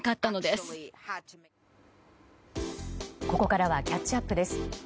ここからはキャッチアップです。